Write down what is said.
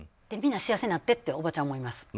みんな幸せになってっておばちゃんは思います。